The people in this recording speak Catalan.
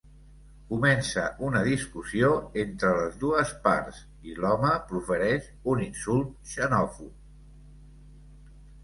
Comença una discussió entre les dues parts i l’home profereix un insult xenòfob.